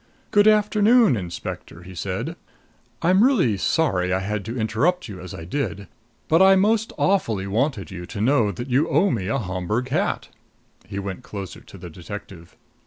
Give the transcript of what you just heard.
"Good afternoon, Inspector," he said. "I'm really sorry I had to interrupt you as I did; but I most awfully wanted you to know that you owe me a Homburg hat." He went closer to the detective.